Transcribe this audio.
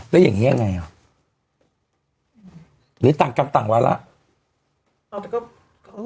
อ้าวแล้วอย่างงี้ยังไงอ่ะหรือต่างกันต่างว่าละอาจจะก็